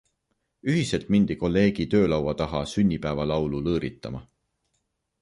Ühiselt mindi kolleegi töölaua taha sünnipäevalaulu lõõritama.